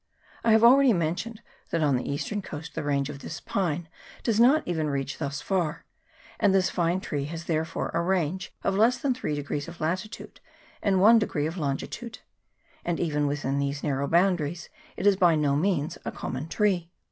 I have already mentioned that on the eastern coast the range of this pine does not even reach thus far ; and this fine tree has therefore a range of less than three degrees of latitude and one degree of longitude ; and even within these narrow boundaries it is by no means a common tree.